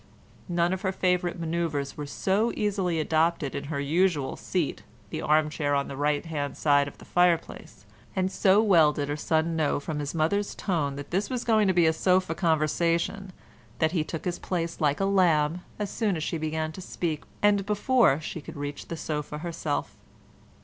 None of her favourite manoeuvres were so easily adopted in her usual seat, the arm chair on the right hand side of the fireplace, and so well did her son know from his mother's tone that this was going to be a sofa conversation that he took his place like a lamb as soon as she began to speak and before she could reach the sofa herself.